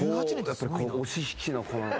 やっぱり押し引きのこの。